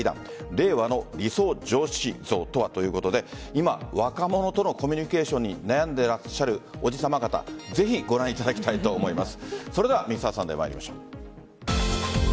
令和の理想の上司像とはということで今若者とのコミュニケーションに悩んでいらっしゃるおじさま方ぜひご覧いただきたいと思います。